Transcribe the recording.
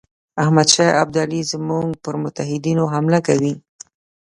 احمدشاه ابدالي زموږ پر متحدینو حمله کوي.